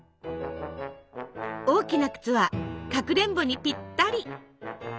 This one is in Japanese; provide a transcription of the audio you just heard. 大きなくつはかくれんぼにぴったり！